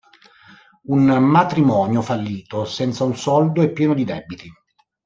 Un matrimonio fallito, senza un soldo e pieno di debiti.